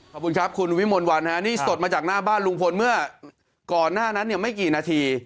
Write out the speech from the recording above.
ขอบคุณครับคุณวิมลวันฮะนี่สดมาจากหน้าบ้านลุงพลเมื่อก่อนหน้านั้นเนี่ยไม่กี่นาที